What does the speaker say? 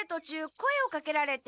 声をかけられて。